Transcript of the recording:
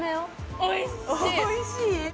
おいしい？